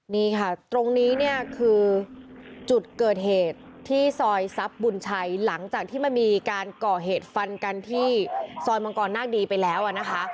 นี่ค่ะตรงนี้เนี่ยคือจุดเกิดเหตุที่ซอยทรัพย์บุญชัยหลังจากที่มันมีการก่อเหตุฟันกันที่ซอยมังกรนาคดีไปแล้วอ่ะนะคะ